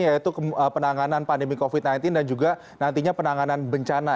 yaitu penanganan pandemi covid sembilan belas dan juga nantinya penanganan bencana